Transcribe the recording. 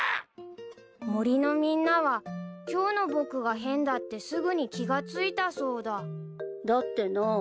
森のみんなは今日の僕が変だってすぐに気が付いたそうだだってな。